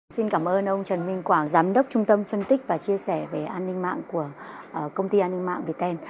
xin cảm ơn ông trần minh quảng giám đốc trung tâm phân tích và chia sẻ về an ninh mạng của công ty an ninh mạng việt tên